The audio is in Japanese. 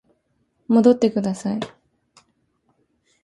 戻ってください